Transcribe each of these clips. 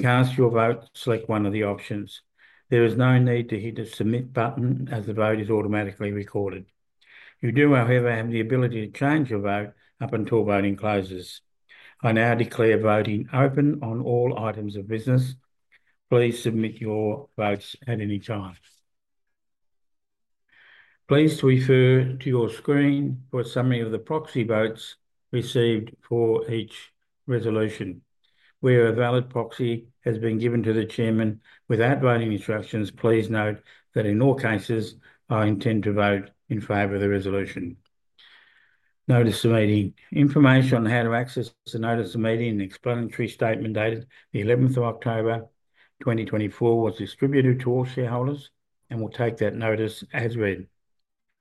Cast your vote, select one of the options. There is no need to hit the submit button, as the vote is automatically recorded. You do, however, have the ability to change your vote up until voting closes. I now declare voting open on all items of business. Please submit your votes at any time. Please refer to your screen for a summary of the proxy votes received for each resolution. Where a valid proxy has been given to the chairman without voting instructions, please note that in all cases, I intend to vote in favor of the resolution. Notice of Meeting. Information on how to access the Notice of Meeting and Explanatory Statement dated the 11th of October 2024 was distributed to all shareholders and will take that notice as written.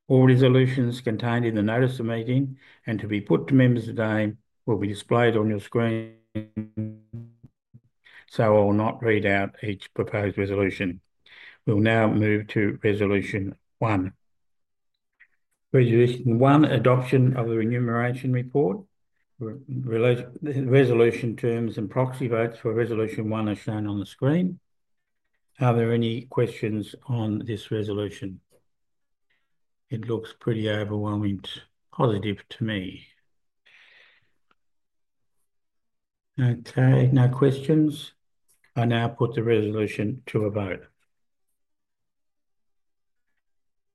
All resolutions contained in the Notice of Meeting and to be put to members today will be displayed on your screen, so I will not read out each proposed resolution. We'll now move to Resolution One. Resolution One, Adoption of the Remuneration Report. Resolution terms and proxy votes for Resolution One are shown on the screen. Are there any questions on this resolution? It looks pretty overwhelmingly positive to me. Okay, no questions. I now put the resolution to a vote.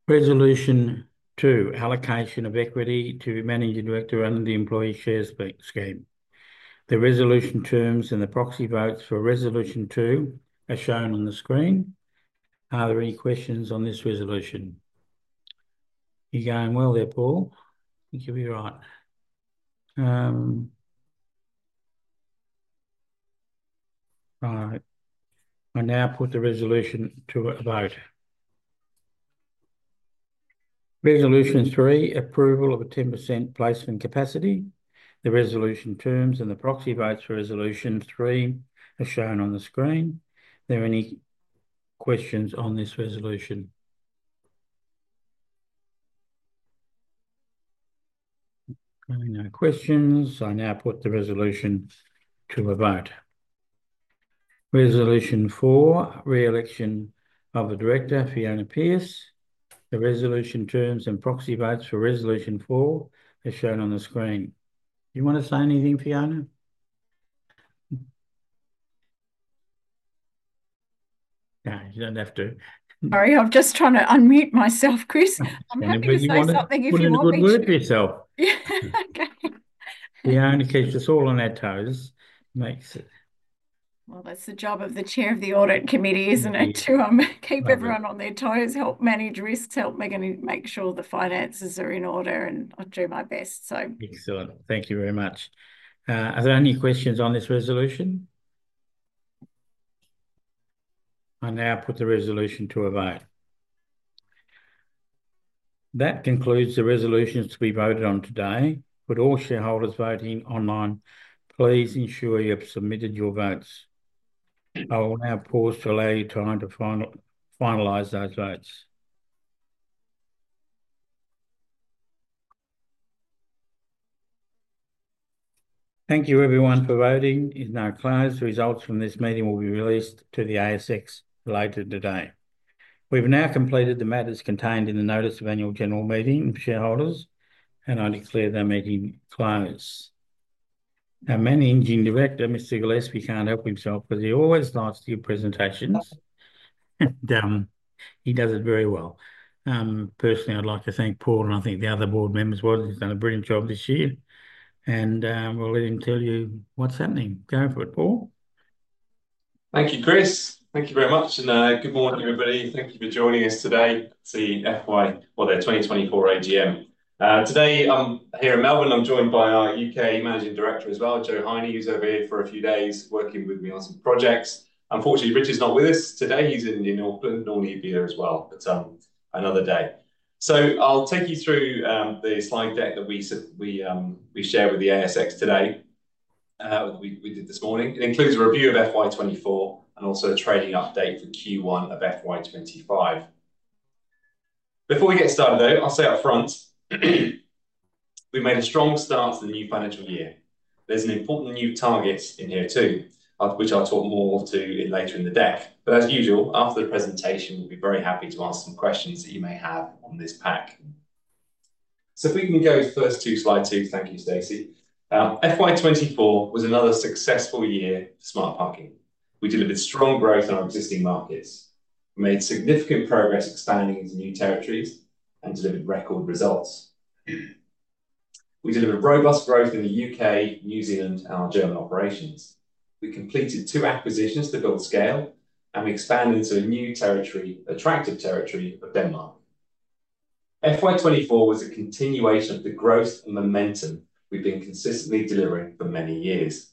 Resolution Two, Allocation of Equity to Managing Director under the Employee Share Scheme. The resolution terms and the proxy votes for Resolution Two are shown on the screen. Are there any questions on this resolution? You're going well there, Paul. You can be right. Right. I now put the resolution to a vote. Resolution Three, Approval of a 10% placement capacity. The resolution terms and the proxy votes for Resolution Three are shown on the screen. Are there any questions on this resolution? No questions. I now put the resolution to a vote. Resolution Four, Re-election of the Director, Fiona Pearse. The resolution terms and proxy votes for Resolution Four are shown on the screen. Do you want to say anything, Fiona? No, you don't have to. Sorry, I'm just trying to unmute myself, Chris. I'm happy to say something if you want me to. You can unmute yourself. Yeah. Okay. Fiona, it keeps us all on our toes, makes it. That's the job of the Chair of the Audit Committee, isn't it, to keep everyone on their toes, help manage risks, help make sure the finances are in order, and I do my best, so. Excellent. Thank you very much. Are there any questions on this resolution? I now put the resolution to a vote. That concludes the resolutions to be voted on today. With all shareholders voting online, please ensure you have submitted your votes. I will now pause to allow you time to finalize those votes. Thank you, everyone, for voting. It is now closed. The results from this meeting will be released to the ASX later today. We've now completed the matters contained in the Notice of Annual General Meeting of shareholders, and I declare the meeting closed. Our Managing Director, Mr. Gillespie, can't help himself because he always likes to give presentations, and he does it very well. Personally, I'd like to thank Paul, and I think the other board members as well. He's done a brilliant job this year, and we'll let him tell you what's happening. Go for it, Paul. Thank you, Chris. Thank you very much, and good morning, everybody. Thank you for joining us today. It's the FY, or the 2024 AGM. Today, I'm here in Melbourne. I'm joined by our U.K. Managing Director as well, Jo Heinen, who's over here for a few days working with me on some projects. Unfortunately, Rich is not with us today. He's in Auckland. Normally, he'd be there as well, but another day. So I'll take you through the slide deck that we shared with the ASX today, that we did this morning. It includes a review of FY24 and also a trading update for Q1 of FY25. Before we get started, though, I'll say upfront, we've made a strong start to the new financial year. There's an important new target in here too, which I'll talk more to later in the deck. But as usual, after the presentation, we'll be very happy to answer some questions that you may have on this pack. So if we can go first to slide two. Thank you, Stacey. FY24 was another successful year for Smart Parking. We delivered strong growth in our existing markets. We made significant progress expanding into new territories and delivered record results. We delivered robust growth in the U.K., New Zealand, and our German operations. We completed two acquisitions to build scale, and we expanded into a new territory, attractive territory of Denmark. FY24 was a continuation of the growth and momentum we've been consistently delivering for many years.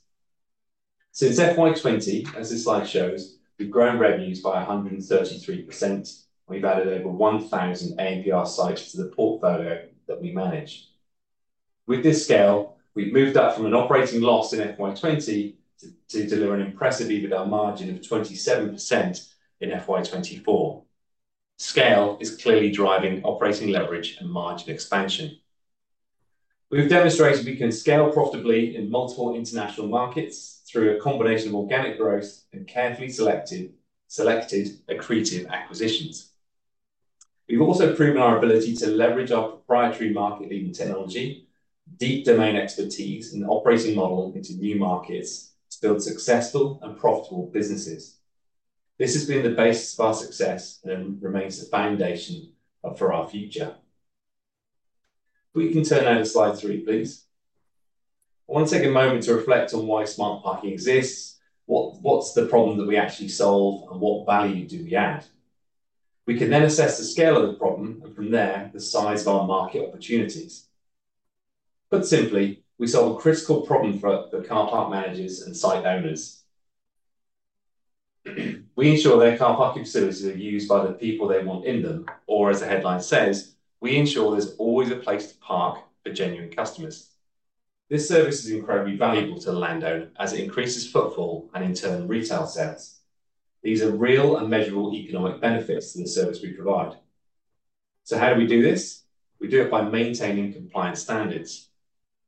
Since FY20, as this slide shows, we've grown revenues by 133%, and we've added over 1,000 ANPR sites to the portfolio that we manage. With this scale, we've moved up from an operating loss in FY20 to deliver an impressive EBITDA margin of 27% in FY24. Scale is clearly driving operating leverage and margin expansion. We've demonstrated we can scale profitably in multiple international markets through a combination of organic growth and carefully selected accretive acquisitions. We've also proven our ability to leverage our proprietary market-leading technology, deep domain expertise, and operating model into new markets to build successful and profitable businesses. This has been the basis of our success and remains the foundation for our future. If we can turn now to slide three, please. I want to take a moment to reflect on why Smart Parking exists, what's the problem that we actually solve, and what value do we add. We can then assess the scale of the problem and, from there, the size of our market opportunities. Put simply, we solve a critical problem for car park managers and site owners. We ensure their car parking facilities are used by the people they want in them, or as the headline says, we ensure there's always a place to park for genuine customers. This service is incredibly valuable to the landowner as it increases footfall and, in turn, retail sales. These are real and measurable economic benefits to the service we provide. So how do we do this? We do it by maintaining compliance standards.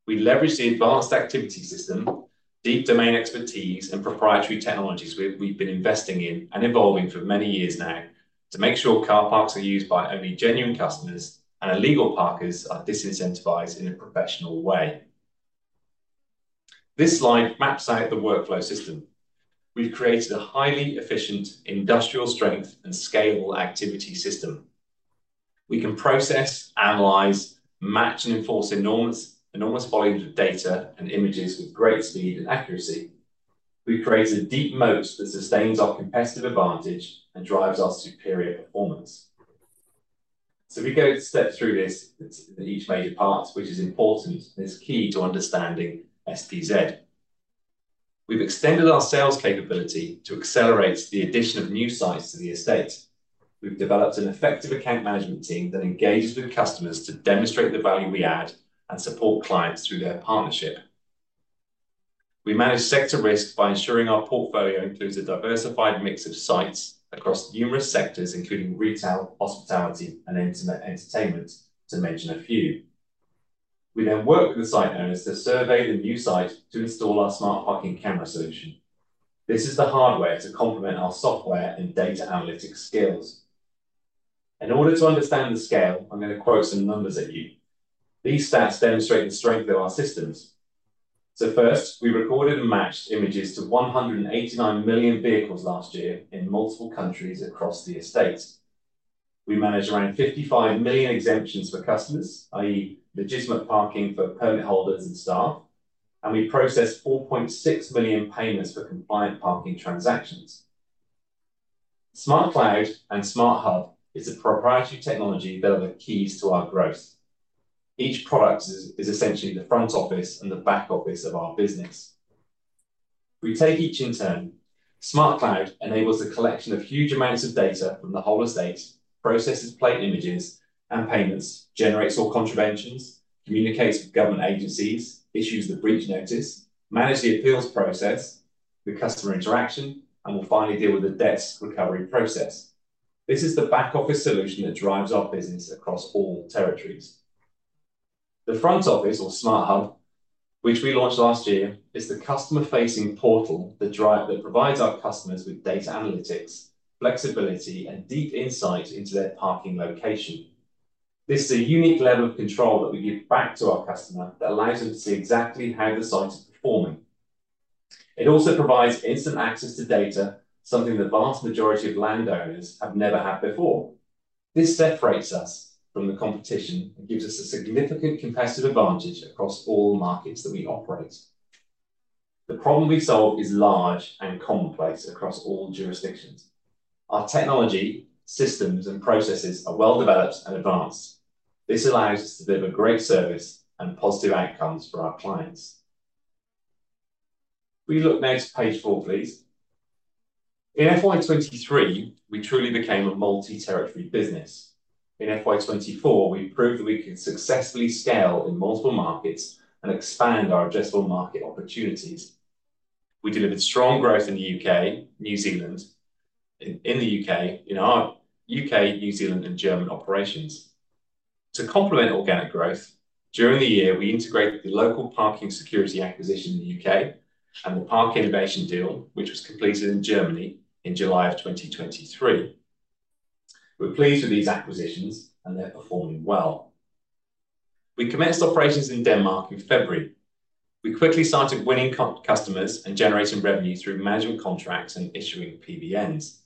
We leverage the advanced activity system, deep domain expertise, and proprietary technologies we've been investing in and evolving for many years now to make sure car parks are used by only genuine customers and illegal parkers are disincentivized in a professional way. This slide maps out the workflow system. We've created a highly efficient industrial strength and scalable activity system. We can process, analyze, match, and enforce enormous volumes of data and images with great speed and accuracy. We've created a deep moat that sustains our competitive advantage and drives our superior performance, so if we go step through this, each major part, which is important and is key to understanding SPZ. We've extended our sales capability to accelerate the addition of new sites to the estate. We've developed an effective account management team that engages with customers to demonstrate the value we add and support clients through their partnership. We manage sector risk by ensuring our portfolio includes a diversified mix of sites across numerous sectors, including retail, hospitality, and entertainment, to mention a few. We then work with the site owners to survey the new sites to install our Smart Parking camera solution. This is the hardware to complement our software and data analytics skills. In order to understand the scale, I'm going to quote some numbers at you. These stats demonstrate the strength of our systems. So first, we recorded and matched images to 189 million vehicles last year in multiple countries across the estate. We managed around 55 million exemptions for customers, i.e., legitimate parking for permit holders and staff, and we processed 4.6 million payments for compliant parking transactions. SmartCloud and SmartHub is a proprietary technology that are the keys to our growth. Each product is essentially the front office and the back office of our business. We take each in turn. SmartCloud enables the collection of huge amounts of data from the whole estate, processes plate images and payments, generates all contraventions, communicates with government agencies, issues the breach notice, manages the appeals process, the customer interaction, and will finally deal with the debts recovery process. This is the back office solution that drives our business across all territories. The front office, or SmartHub, which we launched last year, is the customer-facing portal that provides our customers with data analytics, flexibility, and deep insight into their parking location. This is a unique level of control that we give back to our customer that allows them to see exactly how the site is performing. It also provides instant access to data, something the vast majority of landowners have never had before. This separates us from the competition and gives us a significant competitive advantage across all markets that we operate. The problem we solve is large and commonplace across all jurisdictions. Our technology, systems, and processes are well developed and advanced. This allows us to deliver great service and positive outcomes for our clients. We look next to page four, please. In FY23, we truly became a multi-territory business. In FY24, we proved that we can successfully scale in multiple markets and expand our addressable market opportunities. We delivered strong growth in our U.K., New Zealand, and German operations. To complement organic growth, during the year, we integrated the Local Parking Security acquisition in the U.K. and the ParkInnovation deal, which was completed in Germany in July of 2023. We're pleased with these acquisitions, and they're performing well. We commenced operations in Denmark in February. We quickly started winning customers and generating revenue through management contracts and issuing PBNs.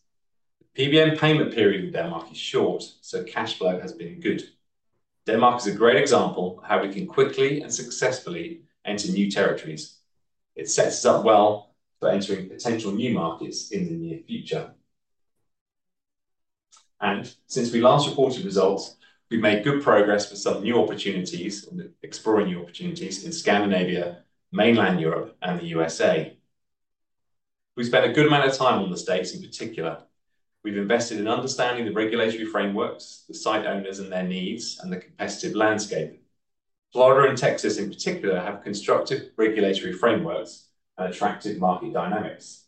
The PBN payment period in Denmark is short, so cash flow has been good. Denmark is a great example of how we can quickly and successfully enter new territories. It sets us up well for entering potential new markets in the near future. Since we last reported results, we've made good progress with some new opportunities, exploring new opportunities in Scandinavia, mainland Europe, and the USA. We spent a good amount of time on the states in particular. We've invested in understanding the regulatory frameworks, the site owners and their needs, and the competitive landscape. Florida and Texas, in particular, have constructive regulatory frameworks and attractive market dynamics.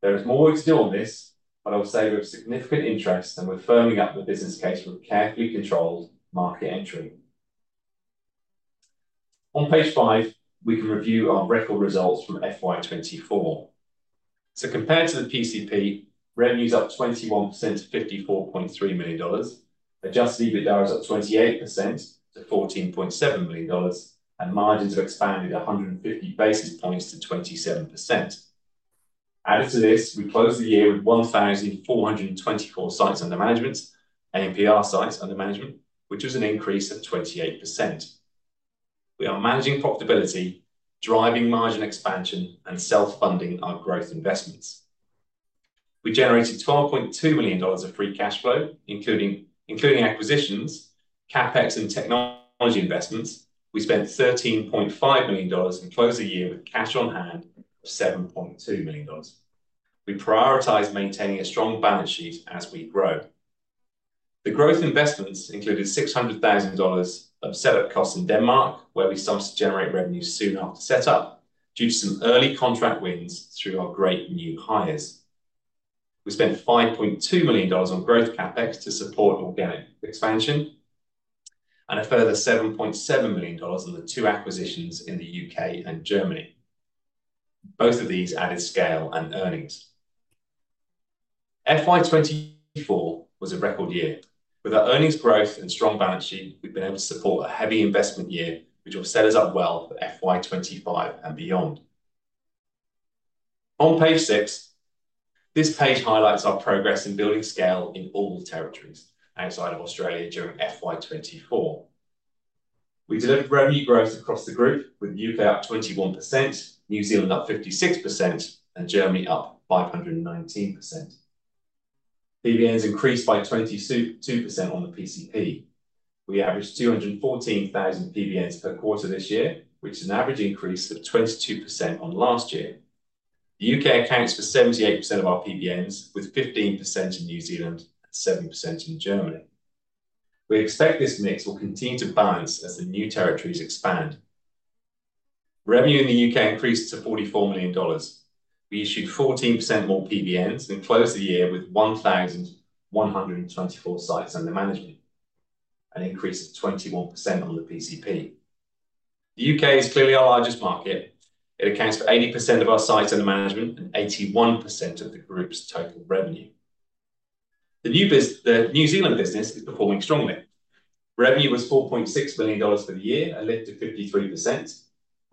There is more work to do on this, but I'll say we have significant interest and we're firming up the business case for a carefully controlled market entry. On page five, we can review our record results from FY24. Compared to the PCP, revenues are up 21% to $54.3 million, adjusted EBITDA is up 28% to $14.7 million, and margins have expanded 150 basis points to 27%. Added to this, we closed the year with 1,424 sites under management, ANPR sites under management, which was an increase of 28%. We are managing profitability, driving margin expansion, and self-funding our growth investments. We generated $12.2 million of free cash flow, including acquisitions, CapEx, and technology investments. We spent $13.5 million and closed the year with cash on hand of $7.2 million. We prioritize maintaining a strong balance sheet as we grow. The growth investments included $600,000 of setup costs in Denmark, where we started to generate revenues soon after setup due to some early contract wins through our great new hires. We spent $5.2 million on growth CapEx to support organic expansion and a further $7.7 million on the two acquisitions in the U.K. and Germany. Both of these added scale and earnings. FY24 was a record year. With our earnings growth and strong balance sheet, we've been able to support a heavy investment year, which will set us up well for FY25 and beyond. On page six, this page highlights our progress in building scale in all territories outside of Australia during FY24. We delivered revenue growth across the group, with the U.K. up 21%, New Zealand up 56%, and Germany up 519%. PBNs increased by 22% on the PCP. We averaged 214,000 PBNs per quarter this year, which is an average increase of 22% on last year. The U.K. accounts for 78% of our PBNs, with 15% in New Zealand and 7% in Germany. We expect this mix will continue to balance as the new territories expand. Revenue in the U.K. increased to 44 million dollars. We issued 14% more PBNs and closed the year with 1,124 sites under management, an increase of 21% on the PCP. The U.K. is clearly our largest market. It accounts for 80% of our sites under management and 81% of the group's total revenue. The New Zealand business is performing strongly. Revenue was 4.6 million dollars for the year, a lift of 53%.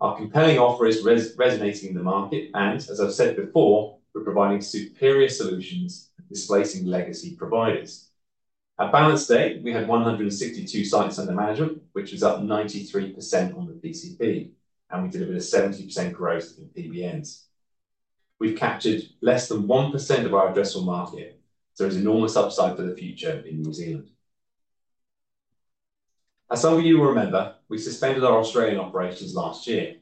Our compelling offer is resonating in the market and, as I've said before, we're providing superior solutions displacing legacy providers. At balance date, we had 162 sites under management, which was up 93% on the PCP, and we delivered a 70% growth in PBNs. We've captured less than 1% of our addressable market, so there's enormous upside for the future in New Zealand. As some of you will remember, we suspended our Australian operations last year.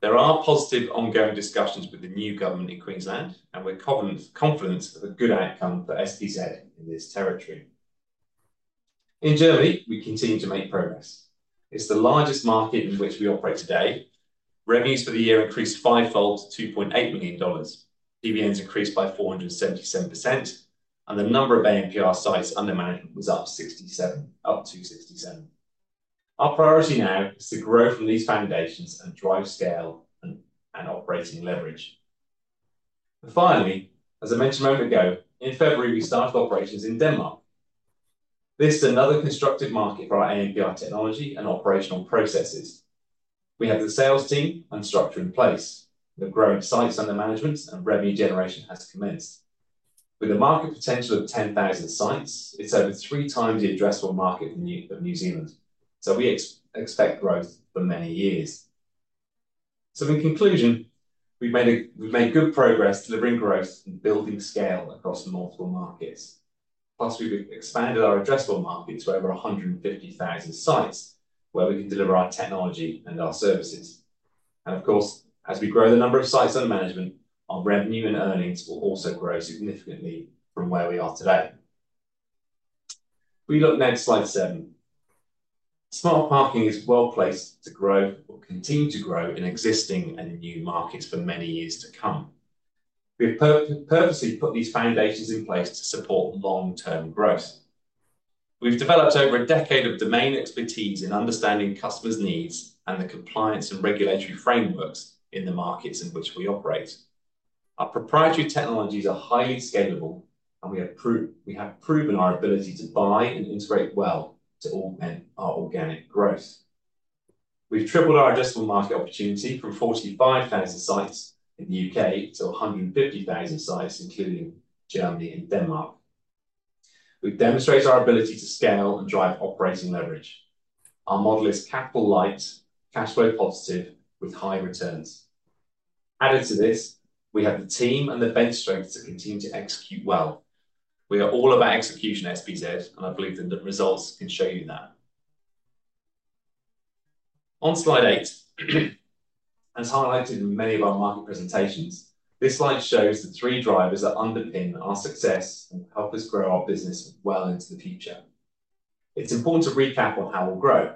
There are positive ongoing discussions with the new government in Queensland, and we're confident of a good outcome for SPZ in this territory. In Germany, we continue to make progress. It's the largest market in which we operate today. Revenues for the year increased fivefold to 2.8 million dollars. PBNs increased by 477%, and the number of ANPR sites under management was up to 67. Our priority now is to grow from these foundations and drive scale and operating leverage. Finally, as I mentioned a moment ago, in February, we started operations in Denmark. This is another constructive market for our ANPR technology and operational processes. We have the sales team and structure in place. The growing sites under management and revenue generation has commenced. With a market potential of 10,000 sites, it's over three times the addressable market of New Zealand, so we expect growth for many years. So in conclusion, we've made good progress delivering growth and building scale across multiple markets. Plus, we've expanded our addressable market to over 150,000 sites where we can deliver our technology and our services. And of course, as we grow the number of sites under management, our revenue and earnings will also grow significantly from where we are today. We look next to slide seven. Smart Parking is well placed to grow or continue to grow in existing and new markets for many years to come. We have purposely put these foundations in place to support long-term growth. We've developed over a decade of domain expertise in understanding customers' needs and the compliance and regulatory frameworks in the markets in which we operate. Our proprietary technologies are highly scalable, and we have proven our ability to buy and integrate well to augment our organic growth. We've tripled our addressable market opportunity from 45,000 sites in the U.K. to 150,000 sites, including Germany and Denmark. We demonstrate our ability to scale and drive operating leverage. Our model is capital light, cash flow positive, with high returns. Added to this, we have the team and the bench strength to continue to execute well. We are all about execution at SPZ, and I believe the results can show you that. On slide eight, as highlighted in many of our market presentations, this slide shows the three drivers that underpin our success and help us grow our business well into the future. It's important to recap on how we'll grow.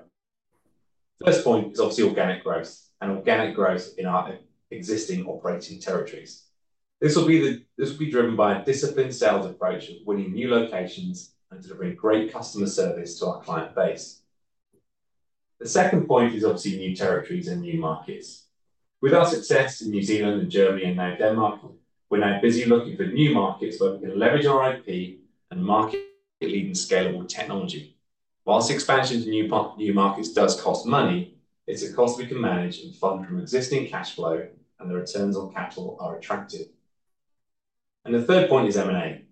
The first point is obviously organic growth and organic growth in our existing operating territories. This will be driven by a disciplined sales approach of winning new locations and delivering great customer service to our client base. The second point is obviously new territories and new markets. With our success in New Zealand and Germany and now Denmark, we're now busy looking for new markets where we can leverage our IP and market-leading scalable technology. While expansion to new markets does cost money, it's a cost we can manage and fund from existing cash flow, and the returns on capital are attractive. The third point is M&A.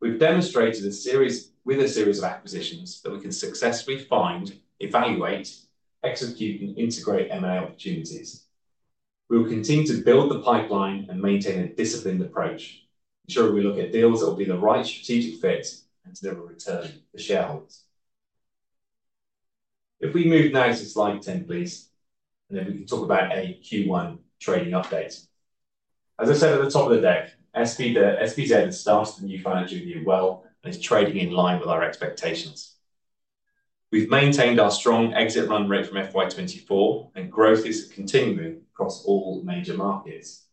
We've demonstrated a series of acquisitions that we can successfully find, evaluate, execute, and integrate M&A opportunities. We will continue to build the pipeline and maintain a disciplined approach, ensuring we look at deals that will be the right strategic fit and deliver return for shareholders. If we move now to slide 10, please, and then we can talk about a Q1 trading update. As I said at the top of the deck, SPZ has started the new financial year well and is trading in line with our expectations. We've maintained our strong exit run rate from FY24, and growth is continuing across all major markets.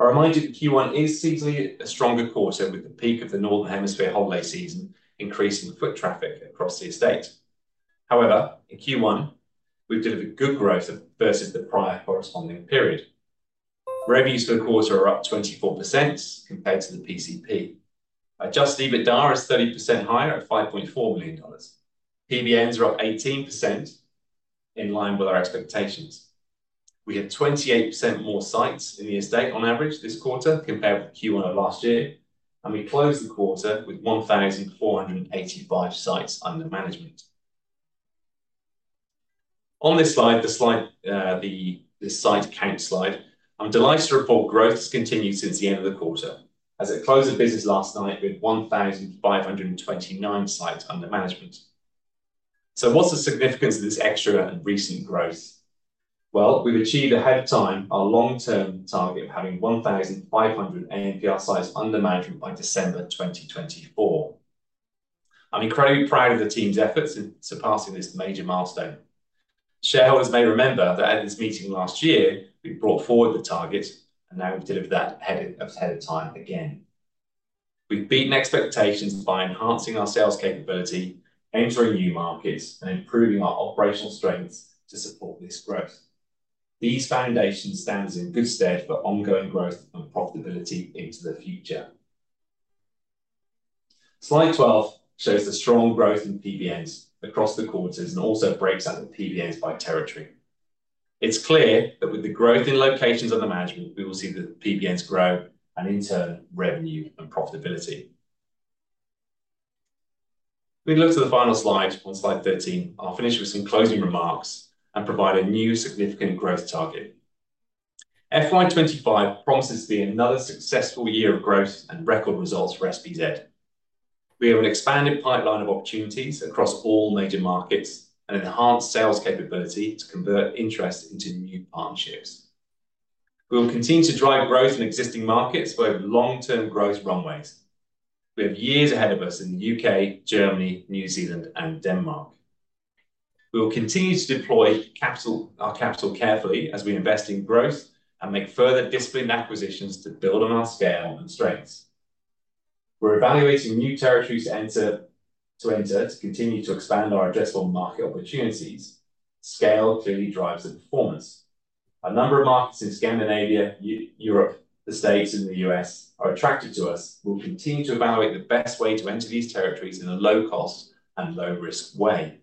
I remind you that Q1 is seemingly a stronger quarter, with the peak of the northern hemisphere holiday season increasing foot traffic across the estate. However, in Q1, we've delivered good growth versus the prior corresponding period. Revenues for the quarter are up 24% compared to the PCP. Adjusted EBITDA is 30% higher at $5.4 million. PBNs are up 18% in line with our expectations. We have 28% more sites in the estate on average this quarter compared with Q1 of last year, and we closed the quarter with 1,485 sites under management. On this slide, the site count slide, I'm delighted to report growth has continued since the end of the quarter, as it closed the business last night with 1,529 sites under management. So what's the significance of this extra and recent growth? Well, we've achieved ahead of time our long-term target of having 1,500 ANPR sites under management by December 2024. I'm incredibly proud of the team's efforts in surpassing this major milestone. Shareholders may remember that at this meeting last year, we brought forward the target, and now we've delivered that ahead of time again. We've beaten expectations by enhancing our sales capability, entering new markets, and improving our operational strengths to support this growth. These foundations stand in good stead for ongoing growth and profitability into the future. Slide 12 shows the strong growth in PBNs across the quarters and also breaks out the PBNs by territory. It's clear that with the growth in locations under management, we will see the PBNs grow and in turn revenue and profitability. We look to the final slide on slide 13. I'll finish with some closing remarks and provide a new significant growth target. FY25 promises to be another successful year of growth and record results for SPZ. We have an expanded pipeline of opportunities across all major markets and enhanced sales capability to convert interest into new partnerships. We will continue to drive growth in existing markets where long-term growth runways. We have years ahead of us in the U.K., Germany, New Zealand, and Denmark. We will continue to deploy our capital carefully as we invest in growth and make further disciplined acquisitions to build on our scale and strengths. We're evaluating new territories to enter to continue to expand our addressable market opportunities. Scale clearly drives the performance. A number of markets in Scandinavia, Europe, the States, and the U.S. are attracted to us. We'll continue to evaluate the best way to enter these territories in a low-cost and low-risk way.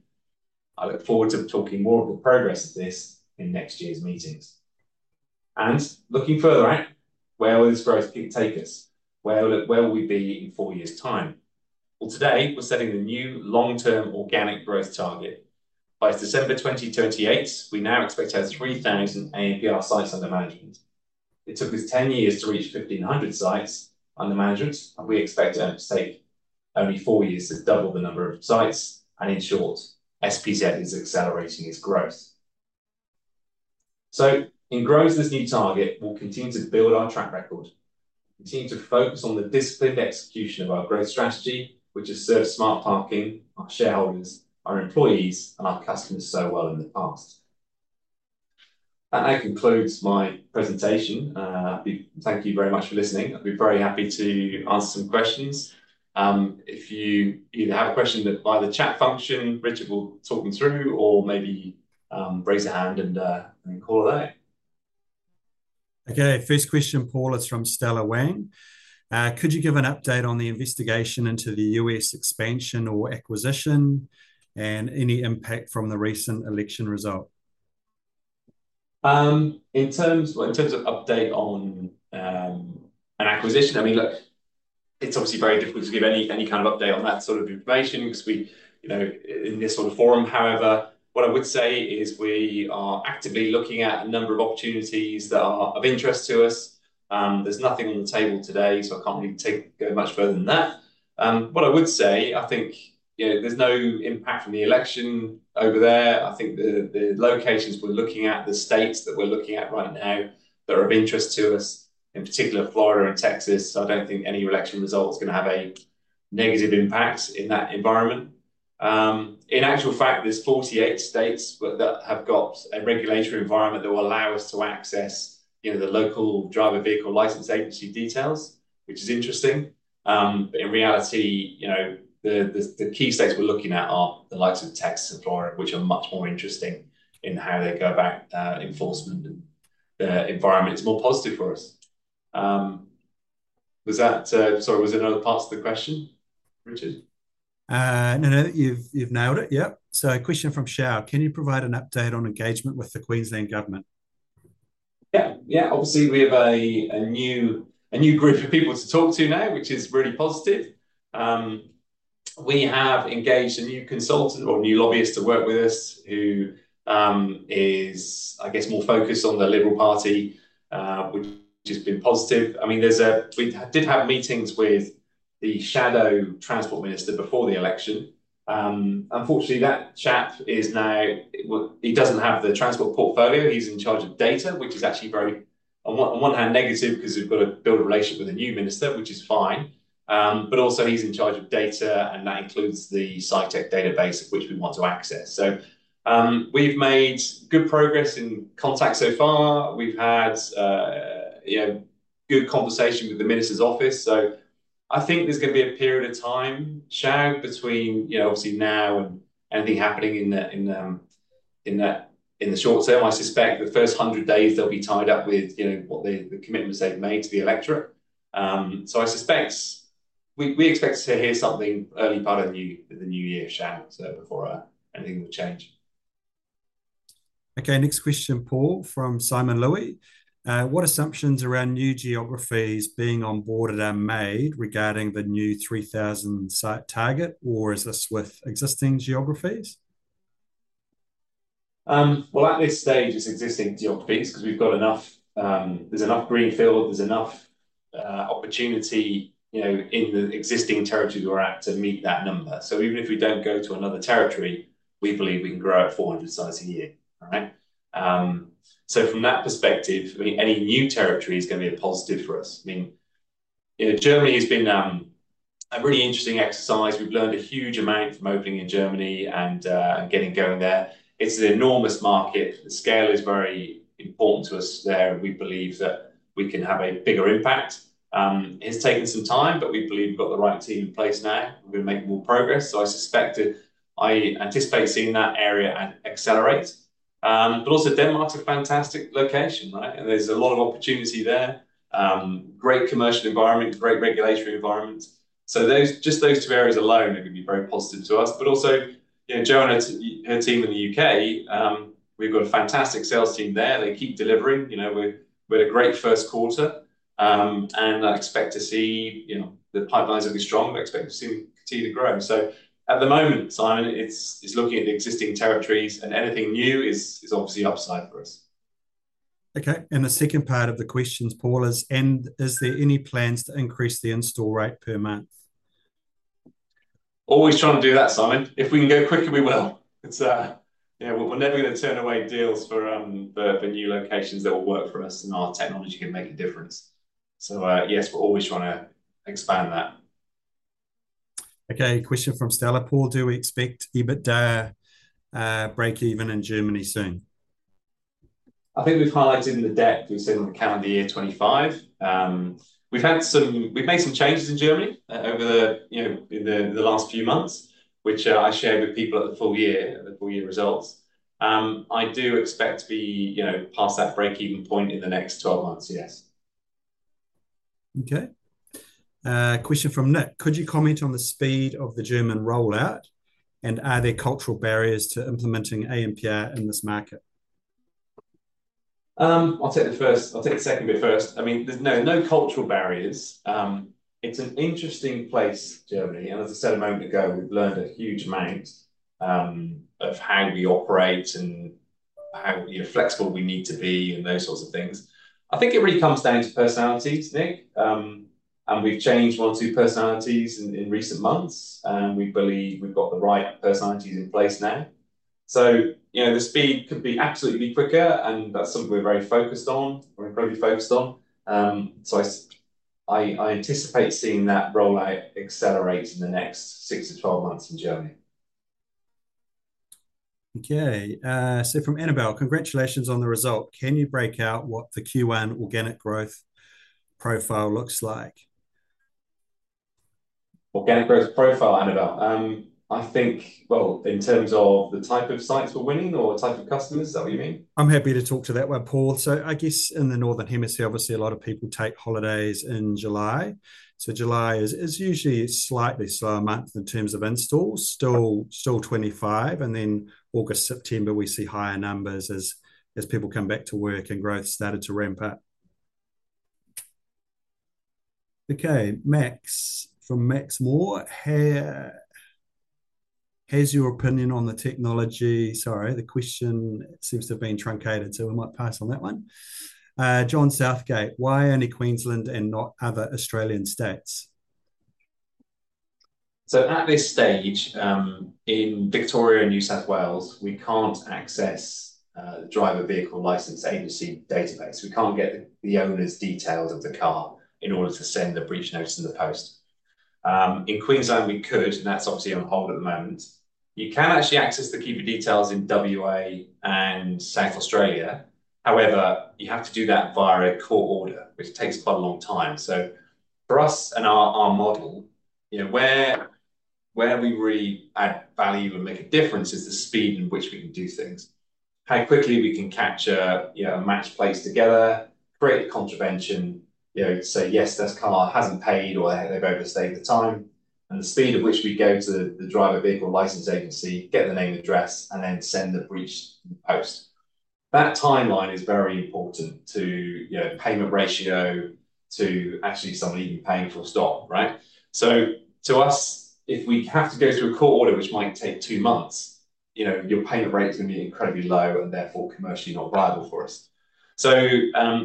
I look forward to talking more of the progress of this in next year's meetings. Looking further out, where will this growth take us? Where will we be in four years' time? Today we're setting the new long-term organic growth target. By December 2028, we now expect to have 3,000 ANPR sites under management. It took us 10 years to reach 1,500 sites under management, and we expect to take only four years to double the number of sites. In short, Smart Parking is accelerating its growth. So in growth, this new target will continue to build our track record, continue to focus on the disciplined execution of our growth strategy, which has served Smart Parking, our shareholders, our employees, and our customers so well in the past. That now concludes my presentation. Thank you very much for listening. I'll be very happy to answer some questions. If you either have a question via the chat function, Richard will talk them through, or maybe raise your hand and call it out. Okay, first question, Paul, is from Stella Wang. Could you give an update on the investigation into the U.S. expansion or acquisition and any impact from the recent election result? In terms of update on an acquisition, I mean, look, it's obviously very difficult to give any kind of update on that sort of information because we're in this sort of forum. However, what I would say is we are actively looking at a number of opportunities that are of interest to us. There's nothing on the table today, so I can't really take it much further than that. What I would say, I think there's no impact from the election over there. I think the locations we're looking at, the states that we're looking at right now that are of interest to us, in particular Florida and Texas, I don't think any election result is going to have a negative impact in that environment. In actual fact, there's 48 states that have got a regulatory environment that will allow us to access the local driver vehicle license agency details, which is interesting. But in reality, the key states we're looking at are the likes of Texas and Florida, which are much more interesting in how they go about enforcement. The environment is more positive for us. Sorry, was there another part to the question, Richard? No, no, you've nailed it. Yeah. So a question from Shao. Can you provide an update on engagement with the Queensland government? Yeah, yeah. Obviously, we have a new group of people to talk to now, which is really positive. We have engaged a new consultant or new lobbyist to work with us who is, I guess, more focused on the Liberal Party, which has been positive. I mean, we did have meetings with the Shadow Transport Minister before the election. Unfortunately, that chap is now, he doesn't have the transport portfolio. He's in charge of data, which is actually very, on one hand, negative because we've got to build a relationship with a new minister, which is fine. But also, he's in charge of data, and that includes the CITEC database which we want to access. So we've made good progress in contact so far. We've had good conversation with the minister's office. So I think there's going to be a period of time, Shao, between obviously now and anything happening in the short term. I suspect the first 100 days they'll be tied up with what the commitments they've made to the electorate. So I suspect we expect to hear something early part of the new year, Shao, before anything will change. Okay, next question, Paul, from Simon Luey. What assumptions around new geographies being on board are there made regarding the new 3,000 site target, or is this with existing geographies? Well, at this stage, it's existing geographies because we've got enough, there's enough greenfield. There's enough opportunity in the existing territories we're at to meet that number. So even if we don't go to another territory, we believe we can grow at 400 sites a year. All right? So from that perspective, I mean, any new territory is going to be a positive for us. I mean, Germany has been a really interesting exercise. We've learned a huge amount from opening in Germany and getting going there. It's an enormous market. The scale is very important to us there. We believe that we can have a bigger impact. It's taken some time, but we believe we've got the right team in place now. We're going to make more progress. So I anticipate seeing that area accelerate. But also, Denmark's a fantastic location, right? There's a lot of opportunity there. Great commercial environment, great regulatory environment. So just those two areas alone are going to be very positive to us. But also, Joan and her team in the U.K., we've got a fantastic sales team there. They keep delivering. We had a great first quarter, and I expect to see the pipelines will be strong. We expect to continue to grow. So at the moment, Simon, it's looking at the existing territories, and anything new is obviously upside for us. Okay. And the second part of the questions, Paul, is, and is there any plans to increase the install rate per month? Always trying to do that, Simon. If we can go quicker, we will. We're never going to turn away deals for the new locations that will work for us, and our technology can make a difference. So yes, we're always trying to expand that. Okay. Question from Stella. Paul, do we expect EBITDA break-even in Germany soon? I think we've highlighted in the deck we said on the calendar year 2025. We've made some changes in Germany over the last few months, which I shared with people at the full year, the full year results. I do expect to be past that break-even point in the next 12 months, yes. Okay. Question from Nick. Could you comment on the speed of the German rollout, and are there cultural barriers to implementing ANPR in this market? I'll take the second bit first. I mean, no cultural barriers. It's an interesting place, Germany. And as I said a moment ago, we've learned a huge amount about how we operate and how flexible we need to be and those sorts of things. I think it really comes down to personalities, Nick. We've changed one or two personalities in recent months, and we believe we've got the right personalities in place now. The speed could be absolutely quicker, and that's something we're very focused on, or incredibly focused on. I anticipate seeing that rollout accelerate in the next six to 12 months in Germany. Okay. From Annabel, congratulations on the result. Can you break out what the Q1 organic growth profile looks like? Organic growth profile, Annabel. I think, well, in terms of the type of sites we're winning or the type of customers, is that what you mean? I'm happy to talk to that one, Paul. I guess in the northern hemisphere, obviously, a lot of people take holidays in July. July is usually a slightly slower month in terms of installs, still 25. And then August, September, we see higher numbers as people come back to work and growth started to ramp up. Okay. Max from Max Moore. Has your opinion on the technology? Sorry, the question seems to have been truncated, so we might pass on that one. John Southgate, why only Queensland and not other Australian states? So at this stage, in Victoria and New South Wales, we can't access the driver vehicle license agency database. We can't get the owner's details of the car in order to send the breach notice in the post. In Queensland, we could, and that's obviously on hold at the moment. You can actually access the key details in WA and South Australia. However, you have to do that via a court order, which takes quite a long time. So for us and our model, where we really add value and make a difference is the speed in which we can do things. How quickly we can capture and match plates together, create contravention, say, "Yes, that car hasn't paid," or, "They've overstayed the time," and the speed at which we go to the Driver and Vehicle Licensing Agency, get the name and address, and then send the breach notice. That timeline is very important to payment ratio to actually someone even paying for a stop, right? So to us, if we have to go through a court order, which might take two months, your payment rate is going to be incredibly low and therefore commercially not viable for us. So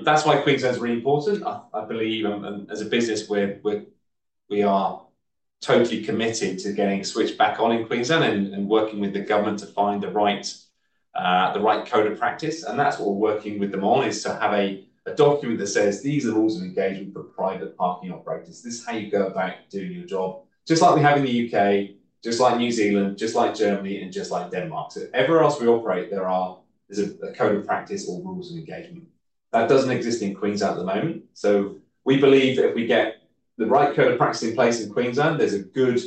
that's why Queensland is really important. I believe as a business, we are totally committed to getting switched back on in Queensland and working with the government to find the right code of practice, and that's what we're working with them on, is to have a document that says, "These are the rules of engagement for private parking operators. This is how you go about doing your job." Just like we have in the U.K., just like New Zealand, just like Germany, and just like Denmark, so everywhere else we operate, there is a code of practice or rules of engagement. That doesn't exist in Queensland at the moment. So we believe that if we get the right code of practice in place in Queensland, there's a good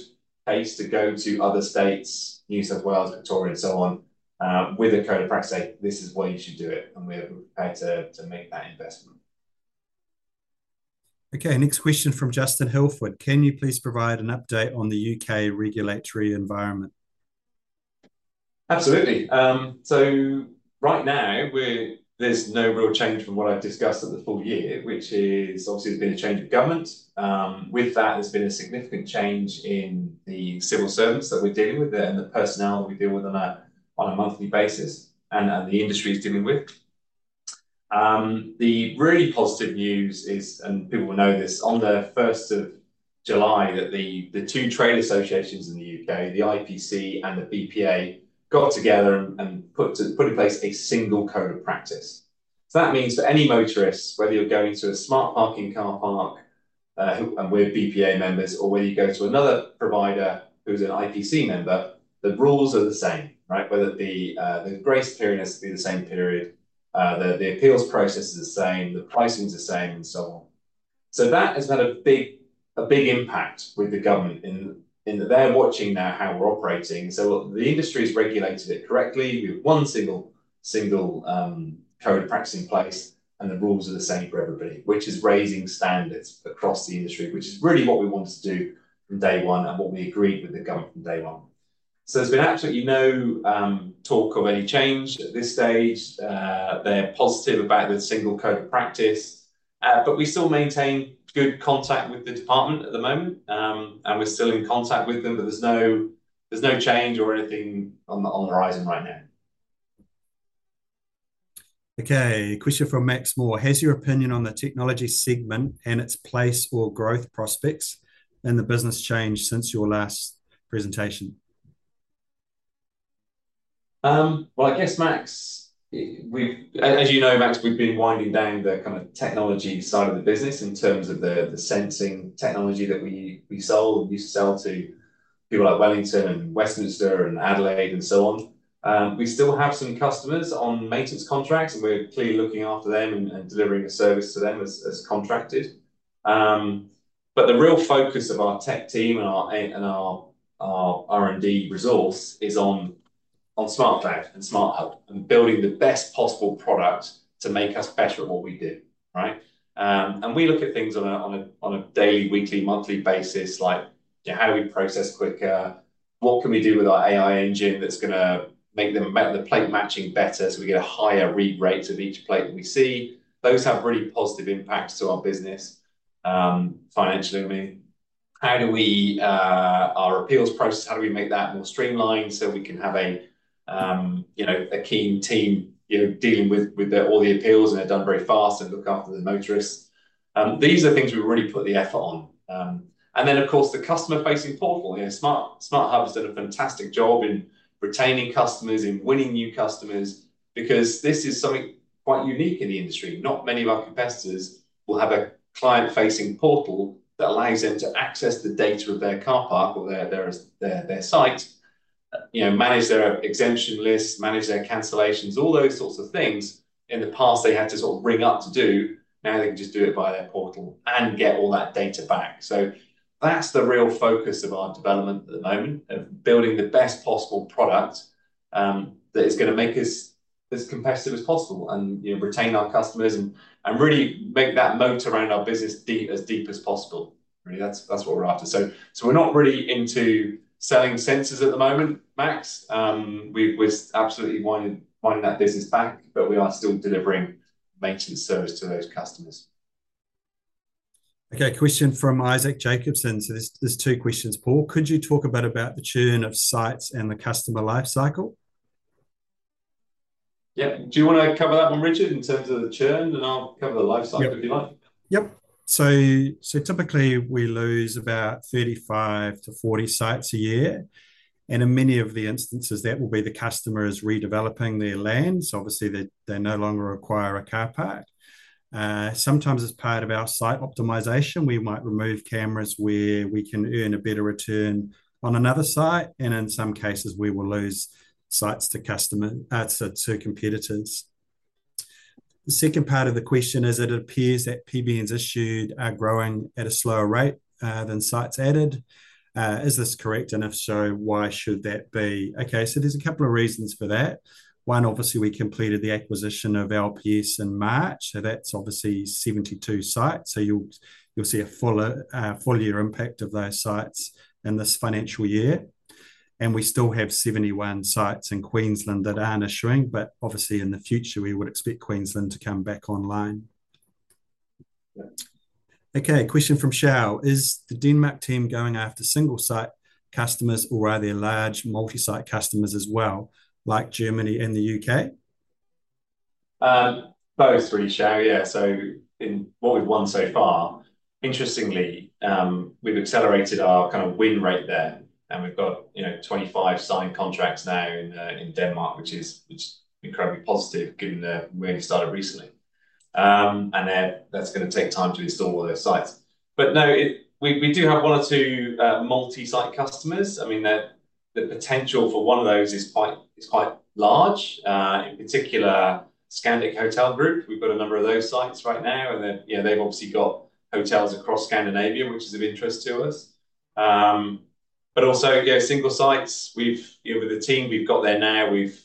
place to go to other states, New South Wales, Victoria, and so on, with a code of practice saying, "This is why you should do it," and we're prepared to make that investment. Okay. Next question from Justin Hilsford. Can you please provide an update on the U.K. regulatory environment? Absolutely. So right now, there's no real change from what I've discussed at the full year, which is obviously there's been a change of government. With that, there's been a significant change in the civil servants that we're dealing with and the personnel that we deal with on a monthly basis and the industry is dealing with. The really positive news is, and people will know this, on the 1st of July, that the two trade associations in the U.K., the IPC and the BPA, got together and put in place a single code of practice. So that means for any motorists, whether you're going to a Smart Parking car park and we're BPA members, or whether you go to another provider who's an IPC member, the rules are the same, right? The grace period has to be the same period. The appeals process is the same. The pricing is the same, and so on. So that has had a big impact with the government in that they're watching now how we're operating. So the industry has regulated it correctly. We have one single code of practice in place, and the rules are the same for everybody, which is raising standards across the industry, which is really what we wanted to do from day one and what we agreed with the government from day one. So there's been absolutely no talk of any change at this stage. They're positive about the single code of practice, but we still maintain good contact with the department at the moment, and we're still in contact with them, but there's no change or anything on the horizon right now. Okay. Question from Max Moore. Has your opinion on the technology segment and its place or growth prospects and the business change since your last presentation? I guess, Max, as you know, Max, we've been winding down the kind of technology side of the business in terms of the sensing technology that we sell and used to sell to people like Wellington and Westminster and Adelaide and so on. We still have some customers on maintenance contracts, and we're clearly looking after them and delivering the service to them as contracted. But the real focus of our tech team and our R&D resource is on SmartCloud and SmartHub and building the best possible product to make us better at what we do, right? And we look at things on a daily, weekly, monthly basis, like how do we process quicker? What can we do with our AI engine that's going to make the plate matching better so we get a higher read rate of each plate that we see? Those have really positive impacts to our business, financially. How do we our appeals process, how do we make that more streamlined so we can have a keen team dealing with all the appeals and they're done very fast and look after the motorists? These are things we really put the effort on and then, of course, the customer-facing portal. SmartHub has done a fantastic job in retaining customers and winning new customers because this is something quite unique in the industry. Not many of our competitors will have a client-facing portal that allows them to access the data of their car park or their site, manage their exemption lists, manage their cancellations, all those sorts of things. In the past, they had to sort of ring up to do. Now they can just do it via their portal and get all that data back. That's the real focus of our development at the moment, of building the best possible product that is going to make us as competitive as possible and retain our customers and really make that moat around our business as deep as possible. That's what we're after. So we're not really into selling sensors at the moment, Max. We've absolutely won that business back, but we are still delivering maintenance service to those customers. Okay. Question from Isaac Jacobson. So there's two questions. Paul, could you talk a bit about the churn of sites and the customer lifecycle? Yeah. Do you want to cover that one, Richard, in terms of the churn? And I'll cover the lifecycle if you like. Yep. So typically, we lose about 35-40 sites a year. And in many of the instances, that will be the customer is redeveloping their land. So obviously, they no longer require a car park. Sometimes, as part of our site optimization, we might remove cameras where we can earn a better return on another site. And in some cases, we will lose sites to competitors. The second part of the question is, it appears that PBNs issued are growing at a slower rate than sites added. Is this correct? And if so, why should that be? Okay. So there's a couple of reasons for that. One, obviously, we completed the acquisition of LPS in March. So that's obviously 72 sites. So you'll see a full year impact of those sites in this financial year. And we still have 71 sites in Queensland that aren't issuing, but obviously, in the future, we would expect Queensland to come back online. Okay. Question from Shao. Is the Denmark team going after single-site customers, or are there large multi-site customers as well, like Germany and the U.K.? Both, Richard. Yeah, so in what we've won so far, interestingly, we've accelerated our kind of win rate there. And we've got 25 signed contracts now in Denmark, which is incredibly positive given that we only started recently. And that's going to take time to install all those sites. But no, we do have one or two multi-site customers. I mean, the potential for one of those is quite large. In particular, Scandic Hotel Group, we've got a number of those sites right now. And they've obviously got hotels across Scandinavia, which is of interest to us. But also, single sites, with the team we've got there now, we've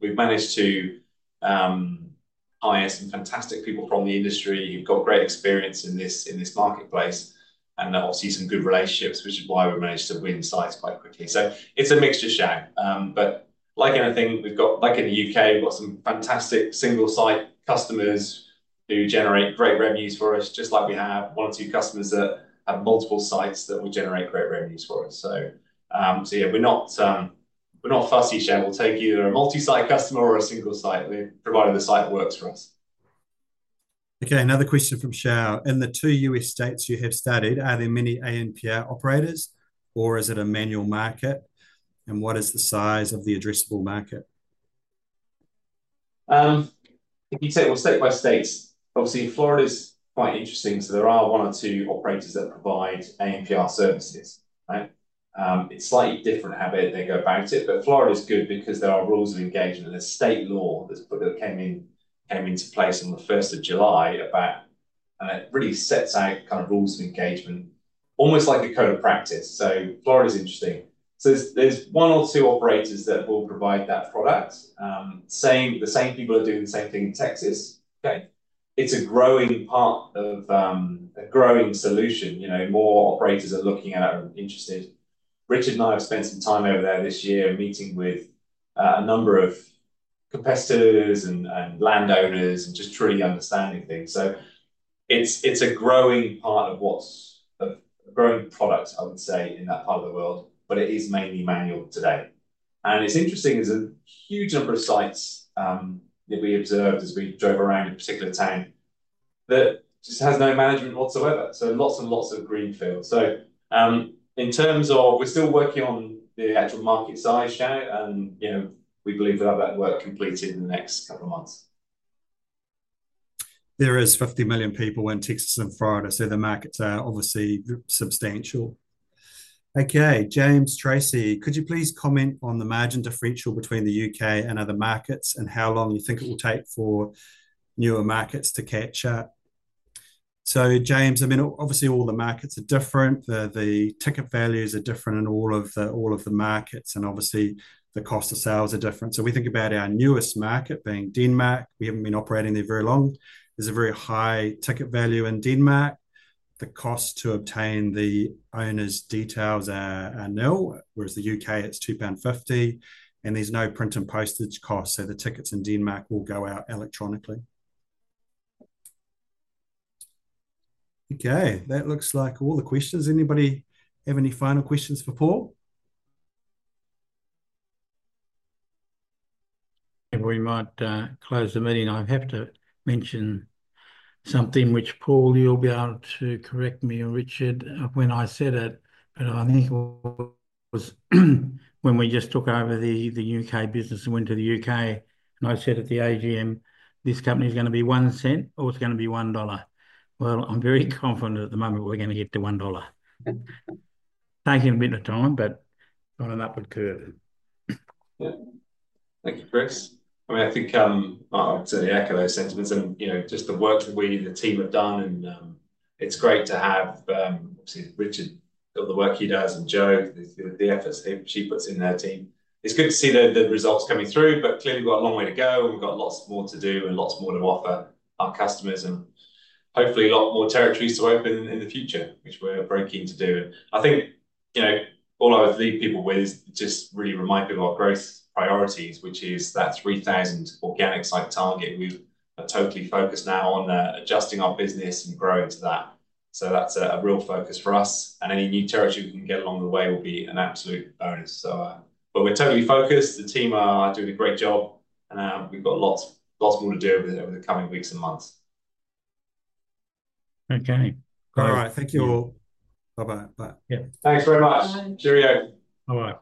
managed to hire some fantastic people from the industry who've got great experience in this marketplace and obviously some good relationships, which is why we managed to win sites quite quickly. So it's a mixture, sure. But like anything, like in the U.K., we've got some fantastic single-site customers who generate great revenues for us, just like we have one or two customers that have multiple sites that will generate great revenues for us. So yeah, we're not fussy, sure. We'll take either a multi-site customer or a single site, provided the site works for us. Okay. Another question from Shao. In the two U.S. states you have studied, are there many ANPR operators, or is it a manual market? And what is the size of the addressable market? If you take it step by step, obviously, Florida is quite interesting. So there are one or two operators that provide ANPR services, right? It's slightly different how they go about it. But Florida is good because there are rules of engagement. There's state law that came into place on the 1st of July about and it really sets out kind of rules of engagement, almost like a code of practice. So Florida is interesting. So there's one or two operators that will provide that product. The same people are doing the same thing in Texas. It's a growing part of a growing solution. More operators are looking at it and interested. Richard and I have spent some time over there this year meeting with a number of competitors and landowners and just truly understanding things. It's a growing part of what's a growing product, I would say, in that part of the world, but it is mainly manual today. And it's interesting there's a huge number of sites that we observed as we drove around in a particular town that just has no management whatsoever. So lots and lots of greenfield. So in terms of we're still working on the actual market size, so, and we believe we'll have that work completed in the next couple of months. There is 50 million people in Texas and Florida, so the markets are obviously substantial. Okay. James Tracy, could you please comment on the margin differential between the U.K. and other markets and how long you think it will take for newer markets to catch up? So James, I mean, obviously, all the markets are different. The ticket values are different in all of the markets, and obviously, the cost of sales are different. So we think about our newest market being Denmark. We haven't been operating there very long. There's a very high ticket value in Denmark. The cost to obtain the owner's details are nil, whereas the U.K., it's 2.50 pound. And there's no print and postage cost, so the tickets in Denmark will go out electronically. Okay. That looks like all the questions. Anybody have any final questions for Paul? If we might close the meeting, I have to mention something, which Paul, you'll be able to correct me or Richard when I said it, but I think it was when we just took over the U.K. business and went to the U.K., and I said at the AGM, "This company is going to be $0.01 or it's going to be $1." Well, I'm very confident at the moment we're going to get to $1. Taking a bit of time, but on an upward curve. Thank you, Chris. I mean, I think I'll certainly echo those sentiments and just the work that we, the team, have done. And it's great to have, obviously, Richard, all the work he does, and Joe, the efforts she puts in her team. It's good to see the results coming through, but clearly we've got a long way to go, and we've got lots more to do and lots more to offer our customers and hopefully a lot more territories to open in the future, which we're very keen to do. And I think all I would leave people with is just really remind people of our growth priorities, which is that 3,000 organic site target. We're totally focused now on adjusting our business and growing to that. So that's a real focus for us. And any new territory we can get along the way will be an absolute bonus. But we're totally focused. The team are doing a great job, and we've got lots more to do over the coming weeks and months. Okay. All right. Thank you all. Bye-bye. Bye. Thanks very much. Cheerio. All right.